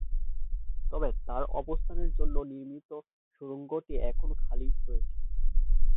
তবে, তার অবস্থানের জন্য নির্মিত সুড়ঙ্গটি এখনও খালি রয়েছে।